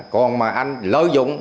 còn mà anh lợi dụng